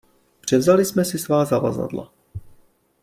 Převzali jsem si svá zavazadla.